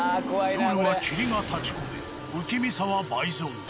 夜は霧が立ちこめ不気味さは倍増。